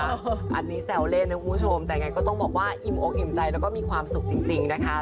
อันนี้แซวเล่นนะคุณผู้ชมแต่ไงก็ต้องบอกว่าอิ่มอกอิ่มใจแล้วก็มีความสุขจริงนะคะ